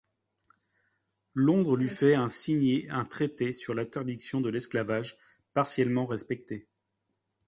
Londres lui fait un signer un traité sur l'interdiction de l'esclavage, partiellement respecté.